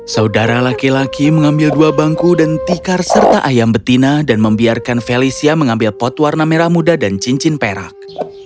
saudara laki laki mengambil dua bangku dan tikar serta ayam betina dan membiarkan felicia mengambil pot warna merah muda dan cincin perak